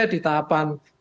kemudian juga sudah selesai